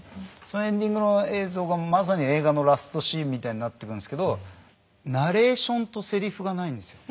そのエンディングの映像がまさに映画のラストシーンみたいになってくるんすけどナレーションとセリフがないんですよ。